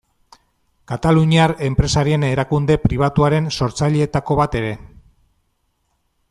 Kataluniar enpresarien erakunde pribatuaren sortzaileetako bat ere.